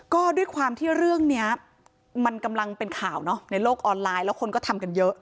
ก็ด้วยความที่เรื่องนี้มันกำลังเป็นข่าวเนอะในโลกออนไลน์แล้วคนก็ทำกันเยอะ